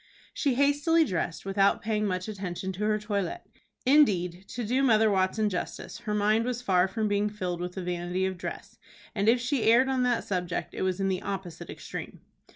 She hastily dressed, without paying much attention to her toilet. Indeed, to do Mother Watson justice, her mind was far from being filled with the vanity of dress, and if she erred on that subject it was in the opposite extreme.